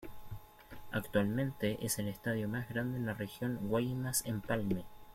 Actualmente es el estadio más grande en la región Guaymas-Empalme.